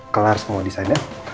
kelar semua desainnya